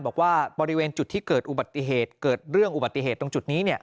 บอกว่าบริเวณจุดที่เกิดอุบัติเหตุเกิดเรื่องอุบัติเหตุตรงจุดนี้